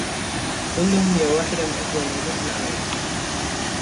لندن هي واحدة من أكبر المدن في العالم.